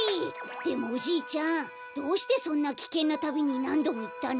でもおじいちゃんどうしてそんなきけんなたびになんどもいったの？